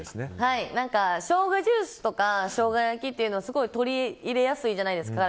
しょうがジュースとかしょうが焼きというのはすごい取り入れやすいじゃないですか